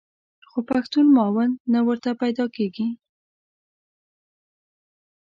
خو پښتون معاون نه ورته پیدا کېږي.